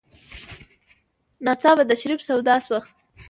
ناڅاپه د شريف سودا شوه.